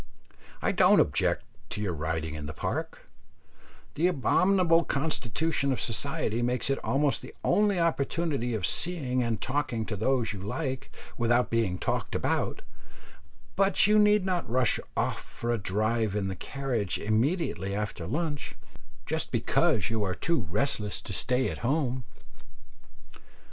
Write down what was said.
I don't object to your riding in the Park the abominable constitution of society makes it almost the only opportunity of seeing and talking to those you like without being talked about; but you need not rush off for a drive in the carriage immediately after lunch, just because you are too restless to stay at home.